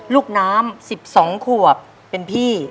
ลูกน้ำ๑๒ขวบเป็นพี่